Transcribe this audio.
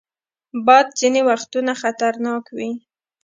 باد ځینې وختونه خطرناک وي